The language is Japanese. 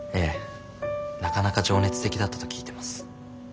なかなか情熱的だったと聞いてます。